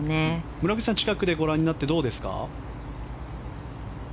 村口さん近くでご覧になってどうですか？